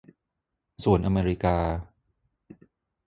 ส่วนอเมริกา